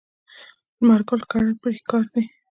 لمر ګل کرل پکار دي.